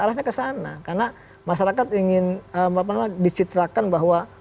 arahnya ke sana karena masyarakat ingin dicitrakan bahwa